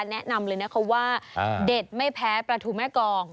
แนะนำเลยนะคะว่าเด็ดไม่แพ้ปลาทูแม่กอง